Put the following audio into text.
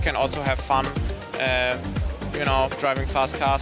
kami juga mencoba menggunakan mobil yang lebih cepat